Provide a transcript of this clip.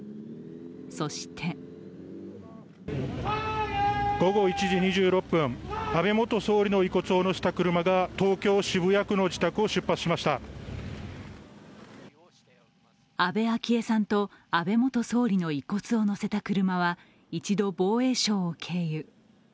そして午後１時２６分、安倍元総理の遺骨を乗せた車が東京・渋谷区の自宅を出発しました安倍昭恵さんと安倍元総理の遺骨を乗せた車は一度、防衛省を経由。